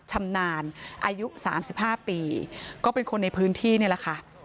ชำนานอายุสามสิบห้าปีก็เป็นคนในพื้นที่นี่แหละค่ะ